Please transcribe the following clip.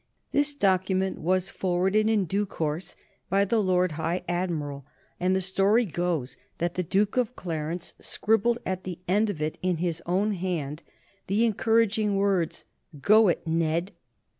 This document was forwarded in due course by the Lord High Admiral, and the story goes that the Duke of Clarence scribbled at the end of it in his own hand the encouraging words, "Go it, Ned."